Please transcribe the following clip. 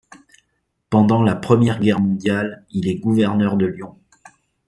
Pendant la Première Guerre mondiale, il est gouverneur de Lyon.